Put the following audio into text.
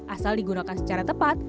asal digunakan secara tepat